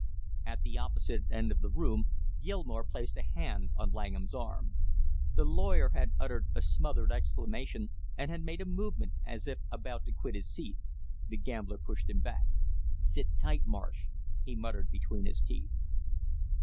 At the opposite end of the room Gilmore placed a hand on Langham's arm. The lawyer had uttered a smothered exclamation and had made a movement as if about to quit his seat. The gambler pushed him back. "Sit tight, Marsh!" he muttered between his teeth.